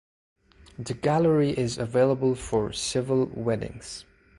The gallery is available for civil weddings.